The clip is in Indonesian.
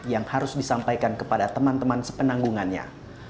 yang harus disampaikan kepada teman teman sepenanggungannya